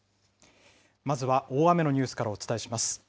まずは大雨のニュースからお伝えします。